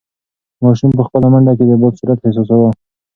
ماشوم په خپله منډه کې د باد سرعت احساساوه.